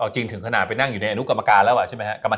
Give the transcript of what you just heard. จริงถึงขนาดไปนั่งอยู่ในอนุกรรมการแล้วใช่ไหมครับ